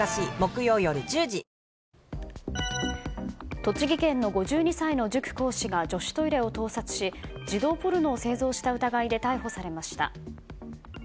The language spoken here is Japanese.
栃木県の５２歳の塾講師が女子トイレを盗撮し児童ポルノを製造した疑いで逮捕されました。